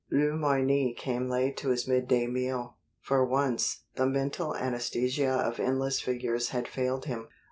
Le Moyne came late to his midday meal. For once, the mental anaesthesia of endless figures had failed him.